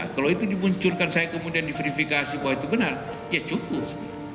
kalau itu dimunculkan saya kemudian diverifikasi bahwa itu benar ya cukup